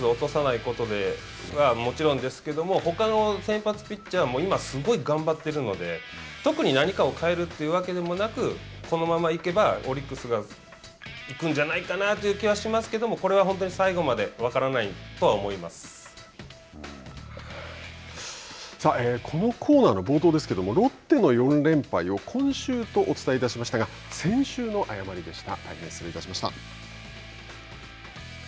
この２人でまず落とさないことはもちろんですけれどもほかの先発ピッチャーは今すごい頑張ってるので特に何かを変えるというわけでもなくこのままいけばオリックスが行くんじゃないかなという気はしますけどこれは本当に最後までこのコーナーの冒頭ですけれどもロッテの４連敗を今週とお伝えしましたが先週の誤りでした。